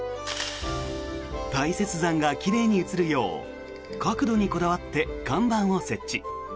大雪山が奇麗に写るよう角度にこだわって看板を設置。